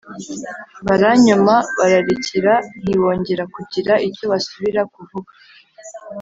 baranyoma bararekera ntibongera kugira icyo basubira kuvuga.